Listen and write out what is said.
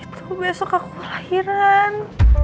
itu besok aku lahiran